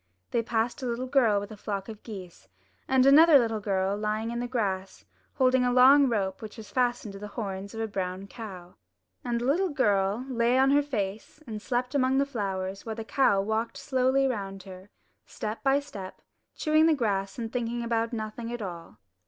They passed a little girl with a flock of geese, and another little girl lying in the grass holding a long rope which was fastened to the horns of a brown cow. And the little girl lay on her face and slept among the flowers, while the cow walked slowly round her, step by step, chewing the grass and thinking about nothing at all.